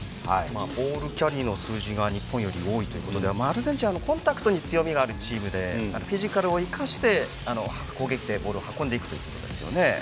ボールキャリーの数字が日本より多いということでアルゼンチンはコンタクトに強みがあるチームでフィジカルを生かして攻撃でボールを運んでいくということですよね。